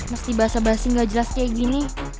mesti bahasa basi gak jelas kayak gini